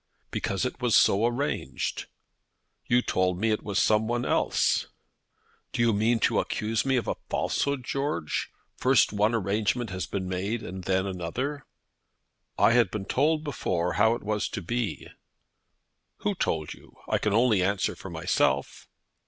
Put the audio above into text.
"Because it was so arranged." "You had told me it was some one else?" "Do you mean to accuse me of a falsehood, George? First one arrangement had been made, and then another." "I had been told before how it was to be." "Who told you? I can only answer for myself."